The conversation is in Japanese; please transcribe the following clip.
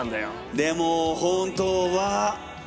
でも本当は。